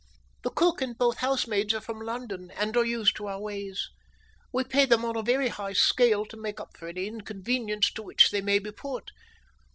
"The cook and both housemaids are from London, and are used to our ways. We pay them on a very high scale to make up for any inconvenience to which they may be put.